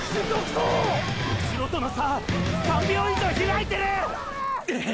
うしろとの差３秒以上開いてる！！っ！！